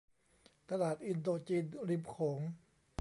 ตลาดอินโดจีนริมโขง